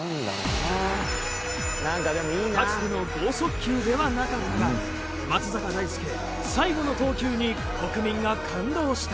かつての剛速球ではなかったが松坂大輔最後の投球に国民が感動した。